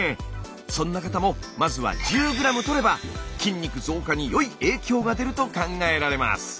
そんな方もまずは１０ｇとれば筋肉増加に良い影響が出ると考えられます。